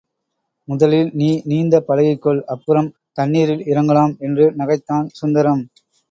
முதலில் நீ நீந்தப் பழகிக்கொள் அப்புறம் தண்ணீரில் இறங்கலாம் என்று நகைத்தான் சுந்தரம்.